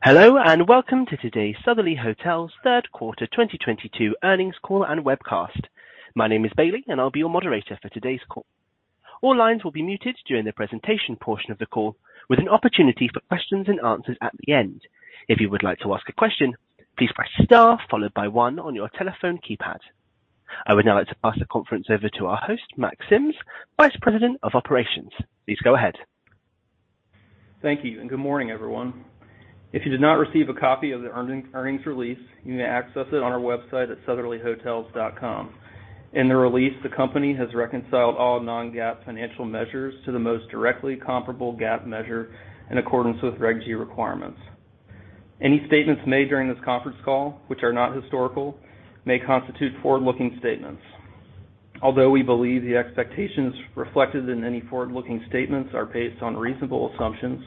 Hello, and welcome to today's Sotherly Hotels third quarter 2022 earnings call and webcast. My name is Bailey, and I'll be your moderator for today's call. All lines will be muted during the presentation portion of the call, with an opportunity for questions and answers at the end. If you would like to ask a question, please press star followed by one on your telephone keypad. I would now like to pass the conference over to our host, Mack Sims, Vice President of Operations. Please go ahead. Thank you, and good morning, everyone. If you did not receive a copy of the earnings release, you may access it on our website at sotherlyhotels.com. In the release, the company has reconciled all non-GAAP financial measures to the most directly comparable GAAP measure in accordance with Reg G requirements. Any statements made during this conference call, which are not historical, may constitute forward-looking statements. Although we believe the expectations reflected in any forward-looking statements are based on reasonable assumptions,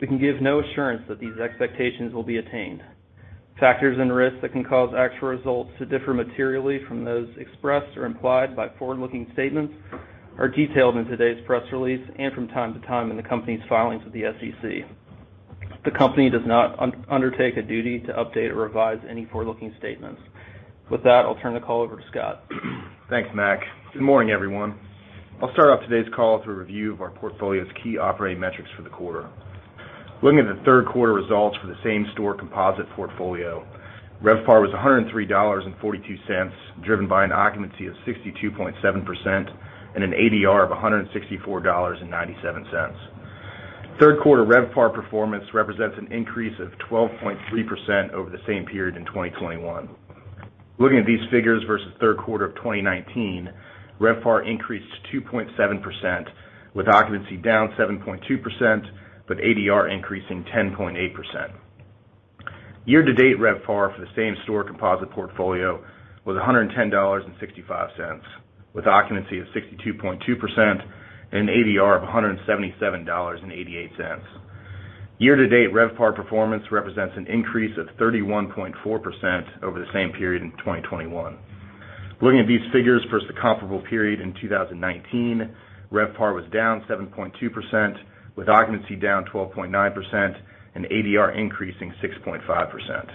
we can give no assurance that these expectations will be attained. Factors and risks that can cause actual results to differ materially from those expressed or implied by forward-looking statements are detailed in today's press release and from time to time in the company's filings with the SEC. The company does not undertake a duty to update or revise any forward-looking statements. With that, I'll turn the call over to Scott. Thanks, Mack. Good morning, everyone. I'll start off today's call with a review of our portfolio's key operating metrics for the quarter. Looking at the third quarter results for the same store composite portfolio, RevPAR was $103.42, driven by an occupancy of 62.7% and an ADR of $164.97. Third quarter RevPAR performance represents an increase of 12.3% over the same period in 2021. Looking at these figures versus third quarter of 2019, RevPAR increased 2.7% with occupancy down 7.2%, but ADR increasing 10.8%. Year to date, RevPAR for the same store composite portfolio was $110.65, with occupancy of 62.2% and ADR of $177.88. Year to date, RevPAR performance represents an increase of 31.4% over the same period in 2021. Looking at these figures versus the comparable period in 2019, RevPAR was down 7.2%, with occupancy down 12.9% and ADR increasing 6.5%.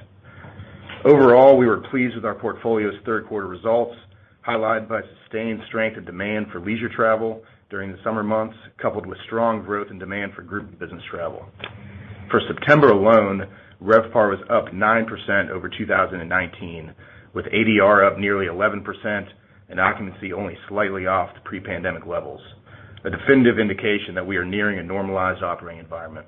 Overall, we were pleased with our portfolio's third quarter results, highlighted by sustained strength in demand for leisure travel during the summer months, coupled with strong growth in demand for group business travel. For September alone, RevPAR was up 9% over 2019, with ADR up nearly 11% and occupancy only slightly off pre-pandemic levels. A definitive indication that we are nearing a normalized operating environment.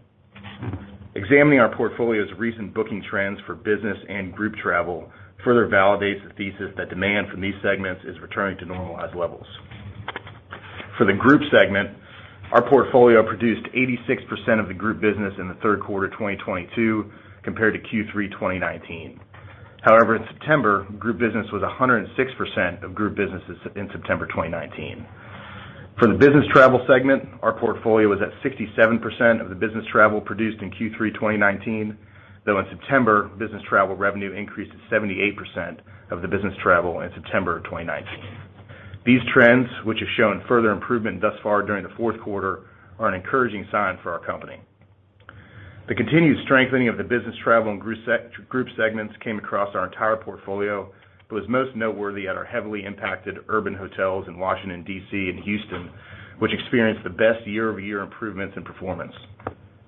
Examining our portfolio's recent booking trends for business and group travel further validates the thesis that demand from these segments is returning to normalized levels. For the group segment, our portfolio produced 86% of the group business in the third quarter 2022 compared to Q3 2019. However, in September, group business was 106% of group businesses in September 2019. For the business travel segment, our portfolio was at 67% of the business travel produced in Q3 2019, though in September, business travel revenue increased to 78% of the business travel in September 2019. These trends, which have shown further improvement thus far during the fourth quarter, are an encouraging sign for our company. The continued strengthening of the business travel and group segments came across our entire portfolio, but was most noteworthy at our heavily impacted urban hotels in Washington, D.C., and Houston, which experienced the best year-over-year improvements in performance.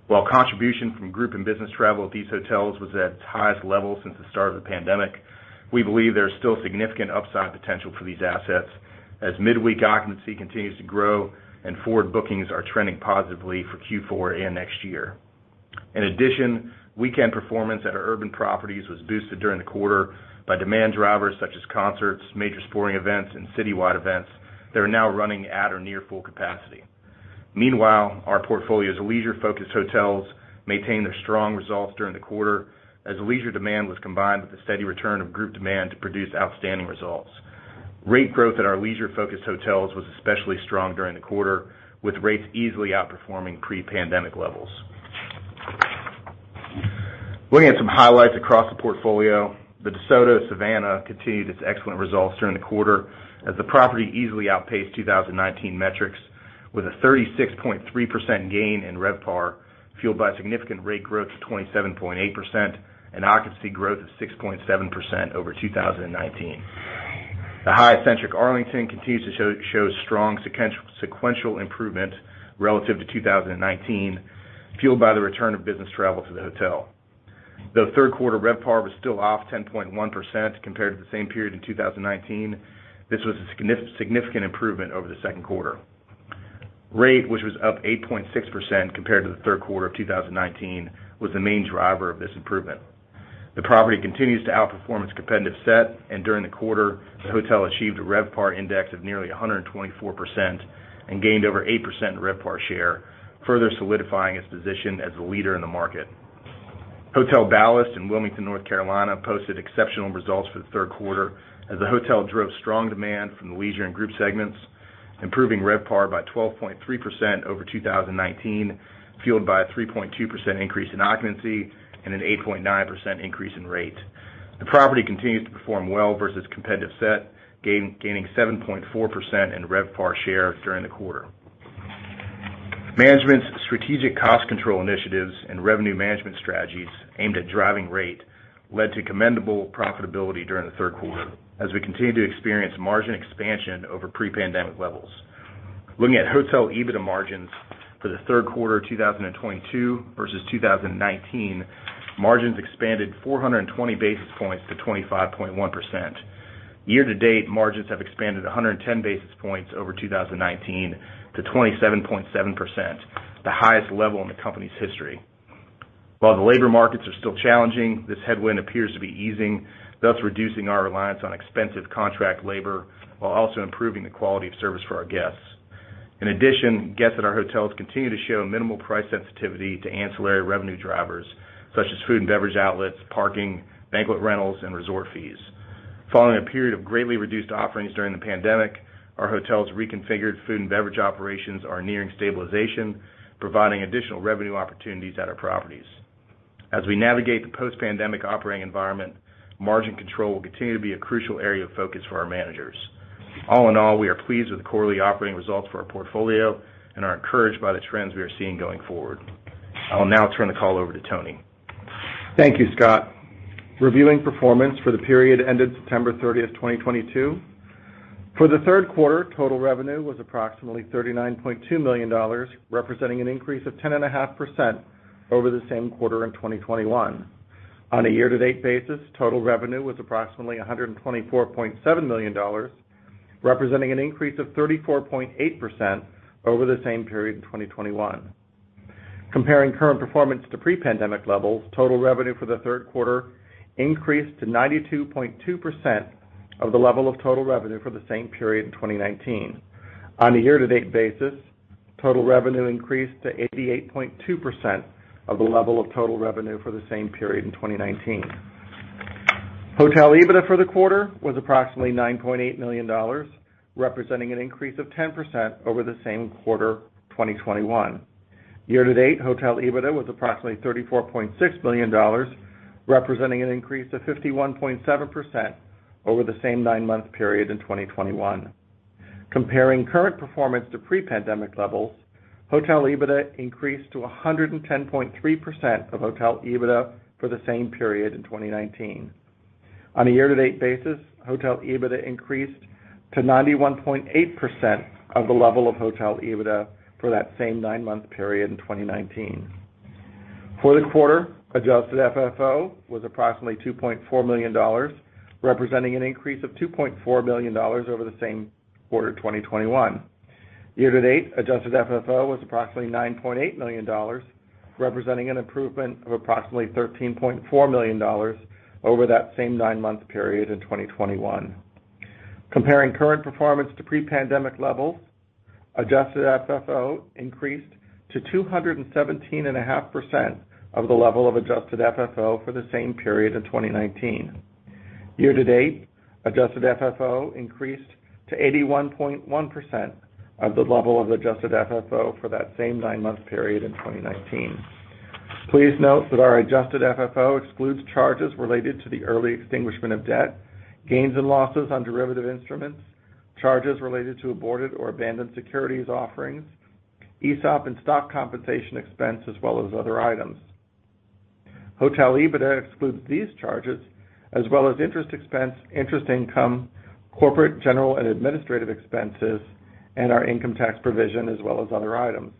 While contribution from group and business travel at these hotels was at its highest level since the start of the pandemic, we believe there is still significant upside potential for these assets as midweek occupancy continues to grow and forward bookings are trending positively for Q4 and next year. In addition, weekend performance at our urban properties was boosted during the quarter by demand drivers such as concerts, major sporting events, and citywide events that are now running at or near full capacity. Meanwhile, our portfolio's leisure-focused hotels maintained their strong results during the quarter as leisure demand was combined with the steady return of group demand to produce outstanding results. Rate growth at our leisure-focused hotels was especially strong during the quarter, with rates easily outperforming pre-pandemic levels. Looking at some highlights across the portfolio, The DeSoto Savannah continued its excellent results during the quarter as the property easily outpaced 2019 metrics with a 36.3% gain in RevPAR, fueled by significant rate growth of 27.8% and occupancy growth of 6.7% over 2019. The Hyatt Centric Arlington continues to show strong sequential improvement relative to 2019, fueled by the return of business travel to the hotel. The third quarter RevPAR was still off 10.1% compared to the same period in 2019. This was a significant improvement over the second quarter. Rate, which was up 8.6% compared to the third quarter of 2019, was the main driver of this improvement. The property continues to outperform its competitive set, and during the quarter, the hotel achieved a RevPAR index of nearly 124% and gained over 8% in RevPAR share, further solidifying its position as the leader in the market. Hotel Ballast in Wilmington, North Carolina, posted exceptional results for the third quarter as the hotel drove strong demand from the leisure and group segments, improving RevPAR by 12.3% over 2019, fueled by a 3.2% increase in occupancy and an 8.9% increase in rate. The property continues to perform well versus competitive set, gaining 7.4% in RevPAR share during the quarter. Management's strategic cost control initiatives and revenue management strategies aimed at driving rate led to commendable profitability during the third quarter as we continue to experience margin expansion over pre-pandemic levels. Looking at hotel EBITDA margins for the third quarter 2022 versus 2019, margins expanded 420 basis points to 25.1%. Year-to-date margins have expanded 110 basis points over 2019 to 27.7%, the highest level in the company's history. While the labor markets are still challenging, this headwind appears to be easing, thus reducing our reliance on expensive contract labor while also improving the quality of service for our guests. In addition, guests at our hotels continue to show minimal price sensitivity to ancillary revenue drivers such as food and beverage outlets, parking, banquet rentals, and resort fees. Following a period of greatly reduced offerings during the pandemic, our hotels reconfigured food and beverage operations are nearing stabilization, providing additional revenue opportunities at our properties. As we navigate the post-pandemic operating environment, margin control will continue to be a crucial area of focus for our managers. All in all, we are pleased with the quarterly operating results for our portfolio and are encouraged by the trends we are seeing going forward. I will now turn the call over to Tony. Thank you, Scott. Reviewing performance for the period ended September 30th, 2022. For the third quarter, total revenue was approximately $39.2 million, representing an increase of 10.5% over the same quarter in 2021. On a year-to-date basis, total revenue was approximately $124.7 million, representing an increase of 34.8% over the same period in 2021. Comparing current performance to pre-pandemic levels, total revenue for the third quarter increased to 92.2% of the level of total revenue for the same period in 2019. On a year-to-date basis, total revenue increased to 88.2% of the level of total revenue for the same period in 2019. Hotel EBITDA for the quarter was approximately $9.8 million, representing an increase of 10% over the same quarter, 2021. Year-to-date hotel EBITDA was approximately $34.6 million, representing an increase of 51.7% over the same nine-month period in 2021. Comparing current performance to pre-pandemic levels, hotel EBITDA increased to 110.3% of hotel EBITDA for the same period in 2019. On a year-to-date basis, hotel EBITDA increased to 91.8% of the level of hotel EBITDA for that same nine-month period in 2019. For the quarter, adjusted FFO was approximately $2.4 million, representing an increase of $2.4 million over the same quarter, 2021. Year-to-date, adjusted FFO was approximately $9.8 million, representing an improvement of approximately $13.4 million over that same nine-month period in 2021. Comparing current performance to pre-pandemic levels, adjusted FFO increased to 217.5% of the level of adjusted FFO for the same period in 2019. Year-to-date, adjusted FFO increased to 81.1% of the level of adjusted FFO for that same nine-month period in 2019. Please note that our adjusted FFO excludes charges related to the early extinguishment of debt, gains and losses on derivative instruments, charges related to aborted or abandoned securities offerings, ESOP and stock compensation expense, as well as other items. Hotel EBITDA excludes these charges as well as interest expense, interest income, corporate, general and administrative expenses, and our income tax provision, as well as other items.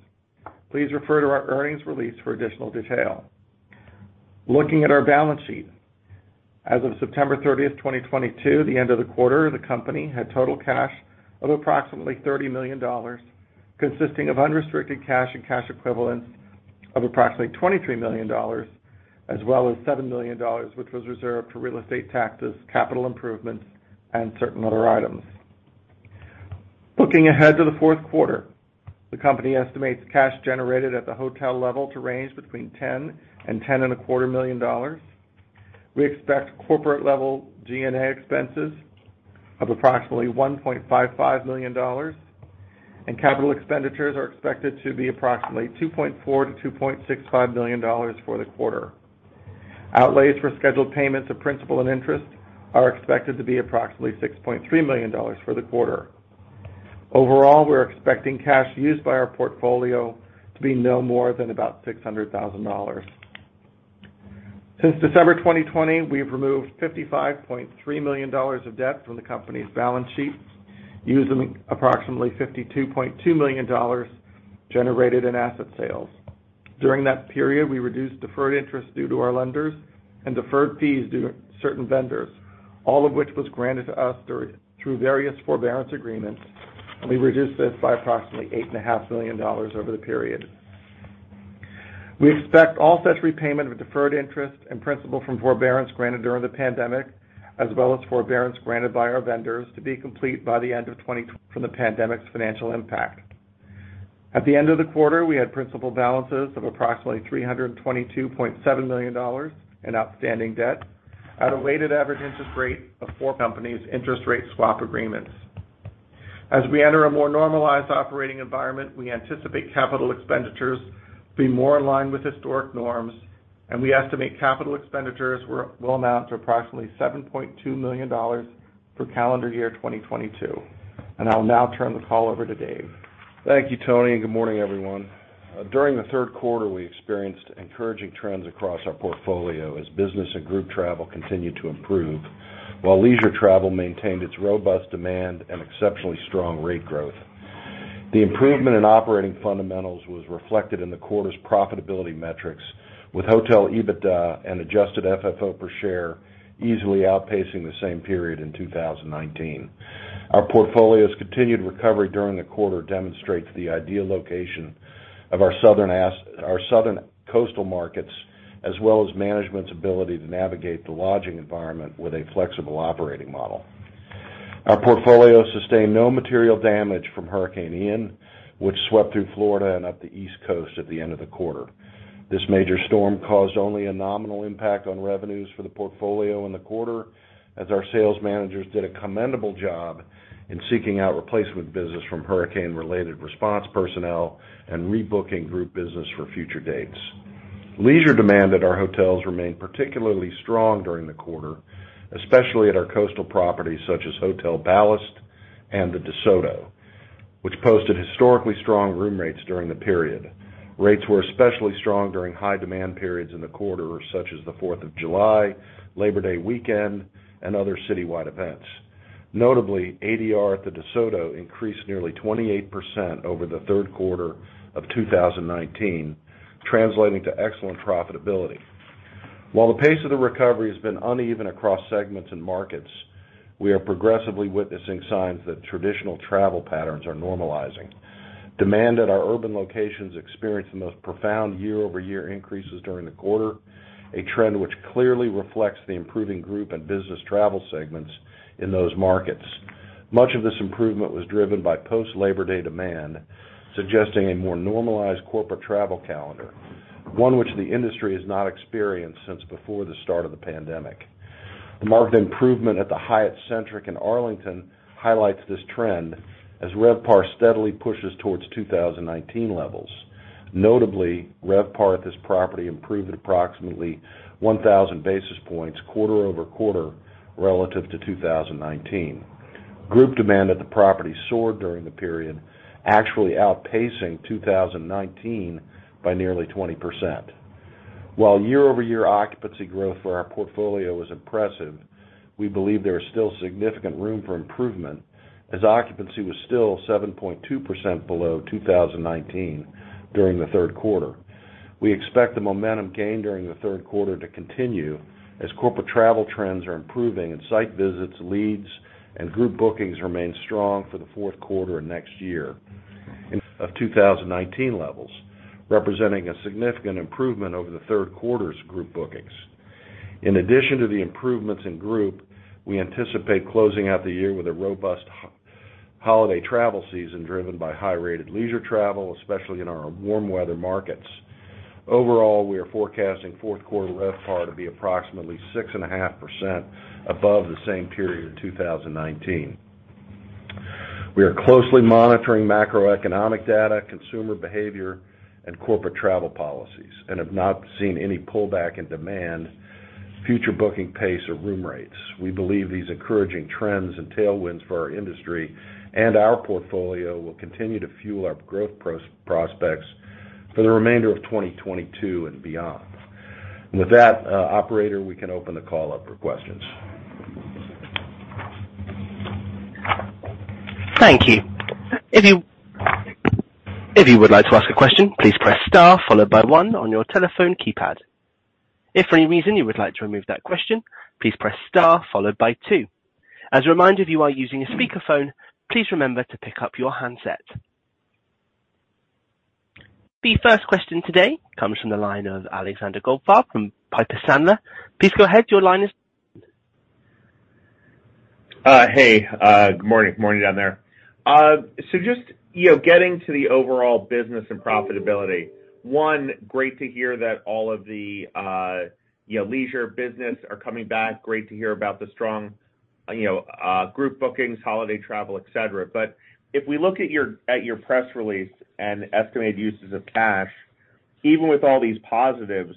Please refer to our earnings release for additional detail. Looking at our balance sheet. As of September 30th, 2022, the end of the quarter, the company had total cash of approximately $30 million, consisting of unrestricted cash and cash equivalents of approximately $23 million, as well as $7 million, which was reserved for real estate taxes, capital improvements, and certain other items. Looking ahead to the fourth quarter, the company estimates cash generated at the hotel level to range between $10 million and $10.25 million. We expect corporate-level G&A expenses of approximately $1.55 million, and capital expenditures are expected to be approximately $2.4 million-$2.65 million for the quarter. Outlays for scheduled payments of principal and interest are expected to be approximately $6.3 million for the quarter. Overall, we're expecting cash used by our portfolio to be no more than about $600,000. Since December 2020, we have removed $55.3 million of debt from the company's balance sheets, using approximately $52.2 million generated in asset sales. During that period, we reduced deferred interest due to our lenders and deferred fees due to certain vendors, all of which was granted to us through various forbearance agreements, and we reduced this by approximately $8.5 million over the period. We expect all such repayment of deferred interest and principal from forbearance granted during the pandemic, as well as forbearance granted by our vendors to be complete by the end of 2023 from the pandemic's financial impact. At the end of the quarter, we had principal balances of approximately $322.7 million in outstanding debt at a weighted average interest rate of 4% interest rate swap agreements. As we enter a more normalized operating environment, we anticipate capital expenditures to be more in line with historic norms, and we estimate capital expenditures will amount to approximately $7.2 million for calendar year 2022. I'll now turn the call over to Dave. Thank you, Tony, and good morning, everyone. During the third quarter, we experienced encouraging trends across our portfolio as business and group travel continued to improve, while leisure travel maintained its robust demand and exceptionally strong rate growth. The improvement in operating fundamentals was reflected in the quarter's profitability metrics, with hotel EBITDA and adjusted FFO per share easily outpacing the same period in 2019. Our portfolio's continued recovery during the quarter demonstrates the ideal location of our southern coastal markets, as well as management's ability to navigate the lodging environment with a flexible operating model. Our portfolio sustained no material damage from Hurricane Ian, which swept through Florida and up the East Coast at the end of the quarter. This major storm caused only a nominal impact on revenues for the portfolio in the quarter, as our sales managers did a commendable job in seeking out replacement business from hurricane-related response personnel and rebooking group business for future dates. Leisure demand at our hotels remained particularly strong during the quarter, especially at our coastal properties such as Hotel Ballast and The DeSoto, which posted historically strong room rates during the period. Rates were especially strong during high-demand periods in the quarter, such as the 4th of July, Labor Day weekend, and other citywide events. Notably, ADR at The DeSoto increased nearly 28% over the third quarter of 2019, translating to excellent profitability. While the pace of the recovery has been uneven across segments and markets, we are progressively witnessing signs that traditional travel patterns are normalizing. Demand at our urban locations experienced the most profound year-over-year increases during the quarter, a trend which clearly reflects the improving group and business travel segments in those markets. Much of this improvement was driven by post-Labor Day demand, suggesting a more normalized corporate travel calendar, one which the industry has not experienced since before the start of the pandemic. The marked improvement at the Hyatt Centric in Arlington highlights this trend as RevPAR steadily pushes towards 2019 levels. Notably, RevPAR at this property improved at approximately 1,000 basis points quarter-over-quarter relative to 2019. Group demand at the property soared during the period, actually outpacing 2019 by nearly 20%. While year-over-year occupancy growth for our portfolio was impressive, we believe there is still significant room for improvement as occupancy was still 7.2% below 2019 during the third quarter. We expect the momentum gained during the third quarter to continue as corporate travel trends are improving and site visits, leads, and group bookings remain strong for the fourth quarter and next year at 2019 levels, representing a significant improvement over the third quarter's group bookings. In addition to the improvements in group, we anticipate closing out the year with a robust holiday travel season driven by high-rated leisure travel, especially in our warm weather markets. Overall, we are forecasting fourth quarter RevPAR to be approximately 6.5% above the same period in 2019. We are closely monitoring macroeconomic data, consumer behavior, and corporate travel policies and have not seen any pullback in demand, future booking pace, or room rates. We believe these encouraging trends and tailwinds for our industry and our portfolio will continue to fuel our growth prospects for the remainder of 2022 and beyond. With that, operator, we can open the call up for questions. Thank you. If you would like to ask a question, please press star followed by one on your telephone keypad. If for any reason you would like to remove that question, please press star followed by two. As a reminder, if you are using a speakerphone, please remember to pick up your handset. The first question today comes from the line of Alexander Goldfarb from Piper Sandler. Please go ahead. Your line is. Hey, good morning down there. Just, you know, getting to the overall business and profitability. One, great to hear that all of the, you know, leisure business are coming back. Great to hear about the strong, you know, group bookings, holiday travel, et cetera. If we look at your press release and estimated uses of cash, even with all these positives,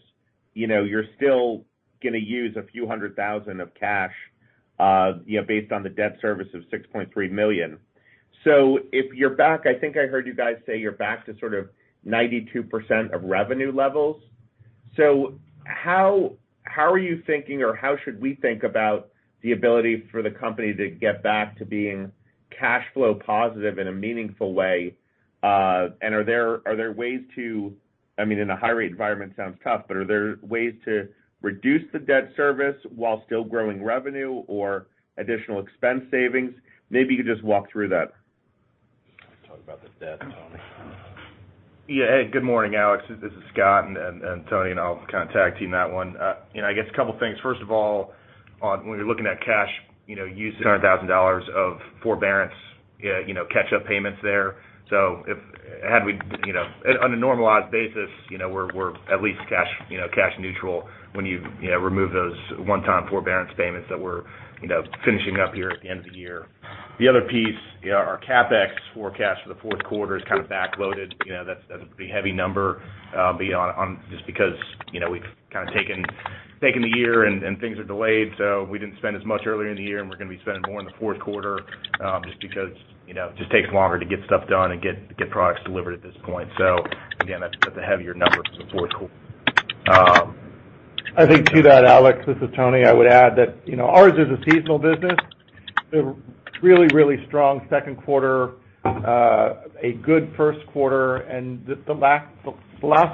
you know, you're still gonna use a few hundred thousand of cash, you know, based on the debt service of $6.3 million. If you're back, I think I heard you guys say you're back to sort of 92% of revenue levels. How are you thinking or how should we think about the ability for the company to get back to being cash flow positive in a meaningful way? I mean, in a high-rate environment, sounds tough, but are there ways to reduce the debt service while still growing revenue or additional expense savings? Maybe you could just walk through that. Talk about the debt, Tony. Yeah. Hey, good morning, Alex. This is Scott and Tony and I'll kind of tag team that one. You know, I guess a couple things. First of all, when you're looking at cash, you know, using $100,000 of forbearance, you know, catch-up payments there. Had we, you know, on a normalized basis, you know, we're at least cash, you know, cash neutral when you know remove those one-time forbearance payments that we're, you know, finishing up here at the end of the year. The other piece, you know, our CapEx forecast for the fourth quarter is kind of backloaded. You know, that's a pretty heavy number, just because, you know, we've kinda taken the year and things are delayed, so we didn't spend as much earlier in the year, and we're gonna be spending more in the fourth quarter, just because, you know, it just takes longer to get stuff done and get products delivered at this point. So again, that's a heavier number for the fourth quarter. I think that, Alex, this is Tony. I would add that, you know, ours is a seasonal business. A really strong second quarter, a good first quarter, and the last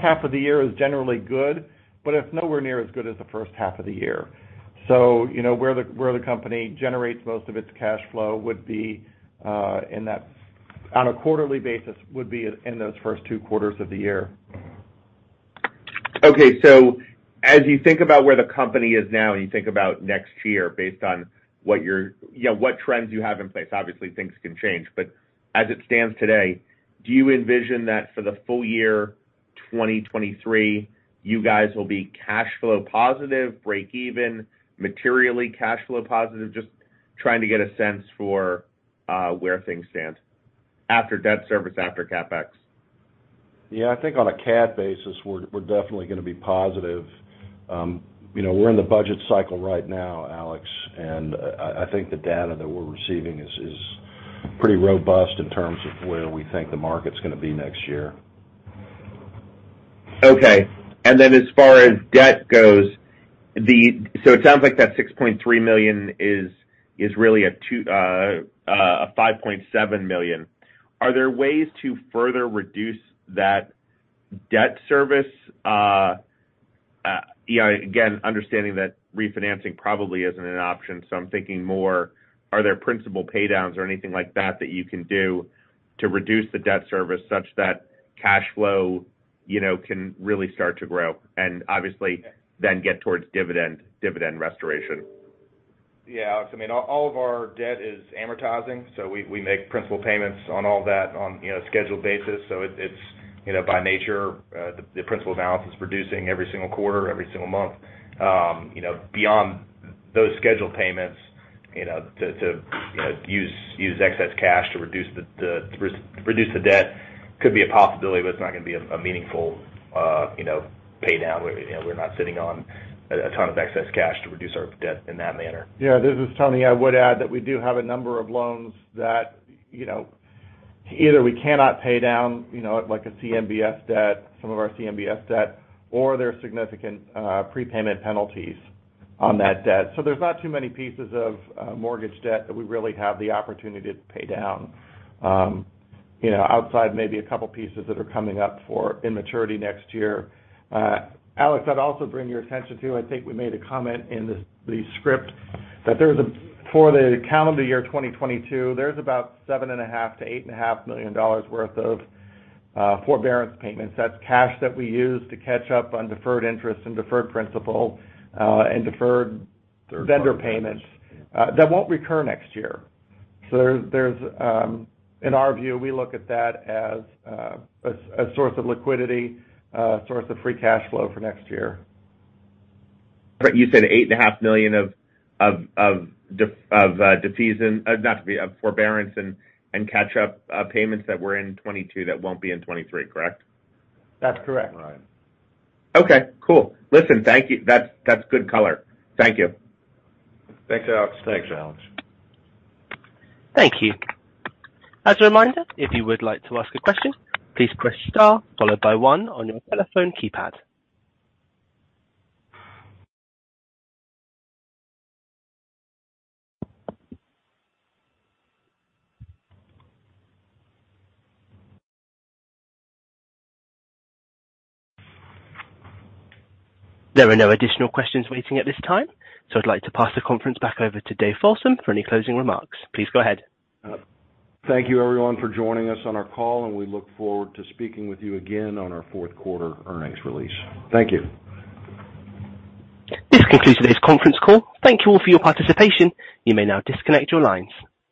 half of the year is generally good, but it's nowhere near as good as the first half of the year. You know, where the company generates most of its cash flow would be, on a quarterly basis, in those first two quarters of the year. Okay. As you think about where the company is now and you think about next year based on, you know, what trends you have in place, obviously things can change, but as it stands today, do you envision that for the full year 2023, you guys will be cash flow positive, breakeven, materially cash flow positive? Just trying to get a sense for where things stand after debt service, after CapEx. Yeah. I think on a CAD basis, we're definitely gonna be positive. You know, we're in the budget cycle right now, Alex, and I think the data that we're receiving is pretty robust in terms of where we think the market's gonna be next year. Okay. As far as debt goes, it sounds like that $6.3 million is really a $5.7 million. Are there ways to further reduce that debt service? You know, again, understanding that refinancing probably isn't an option, so I'm thinking more are there principal paydowns or anything like that that you can do to reduce the debt service such that cash flow, you know, can really start to grow, and obviously then get towards dividend restoration? Yeah. Alex, I mean, all of our debt is amortizing, so we make principal payments on all that on, you know, a scheduled basis. It's, you know, by nature, the principal balance is reducing every single quarter, every single month. You know, beyond those scheduled payments, you know, to use excess cash to reduce the debt could be a possibility, but it's not gonna be a meaningful, you know, pay down. You know, we're not sitting on a ton of excess cash to reduce our debt in that manner. Yeah. This is Tony. I would add that we do have a number of loans that, you know, either we cannot pay down, you know, like a CMBS debt, some of our CMBS debt, or there are significant prepayment penalties on that debt. There's not too many pieces of mortgage debt that we really have the opportunity to pay down, you know, outside maybe a couple pieces that are coming up for maturity next year. Alex, I'd also bring your attention to, I think we made a comment in the script that for the calendar year 2022, there's about $7.5 million-$8.5 million worth of forbearance payments. That's cash that we use to catch up on deferred interest and deferred principal and deferred vendor payments that won't recur next year. In our view, we look at that as a source of liquidity, a source of free cash flow for next year. You said $8.5 million of defeasance, not forbearance and catch up payments that were in 2022 that won't be in 2023, correct? That's correct. Right. Okay, cool. Listen, thank you. That's good color. Thank you. Thanks, Alex. Thanks, Alex. Thank you. As a reminder, if you would like to ask a question, please press star followed by one on your telephone keypad. There are no additional questions waiting at this time, so I'd like to pass the conference back over to Dave Folsom for any closing remarks. Please go ahead. Thank you everyone for joining us on our call, and we look forward to speaking with you again on our fourth quarter earnings release. Thank you. This concludes today's conference call. Thank you all for your participation. You may now disconnect your lines.